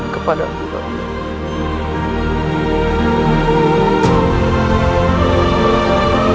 kedalam kom access